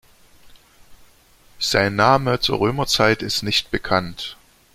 Sein Name zur Römerzeit ist nicht bekannt.